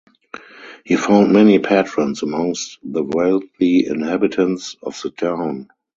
He found many patrons amongst the wealthy inhabitants of the town.